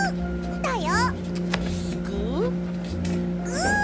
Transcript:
だよ！